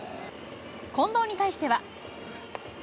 近藤に対しては。